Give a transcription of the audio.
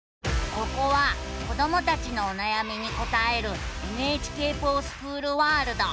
ここは子どもたちのおなやみに答える「ＮＨＫｆｏｒＳｃｈｏｏｌワールド」。